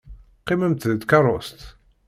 Qqimemt deg tkeṛṛust.